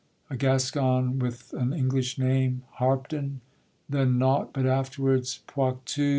a Gascon with an English name, Harpdon? then nought, but afterwards: Poictou.